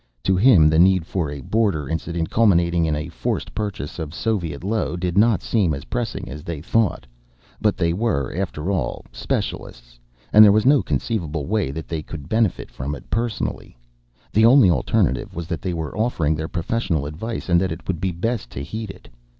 To him the need for a border incident culminating in a forced purchase of Soviet Io did not seem as pressing as they thought, but they were, after all, specialists. And there was no conceivable way they could benefit from it personally. The only alternative was that they were offering their professional advice and that it would be best to heed it.